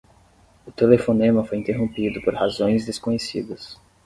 O telefonema foi interrompido por razões desconhecidas.